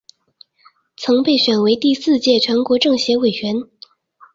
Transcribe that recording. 曾被选为第四届全国政协委员。